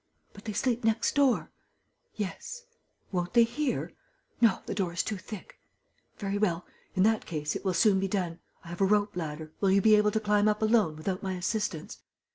"But they sleep next door?" "Yes." "Won't they hear?" "No, the door is too thick." "Very well. In that case, it will soon be done. I have a rope ladder. Will you be able to climb up alone, without my assistance?"